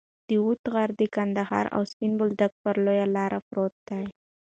د وط غر د قندهار او سپین بولدک پر لویه لار پروت دی.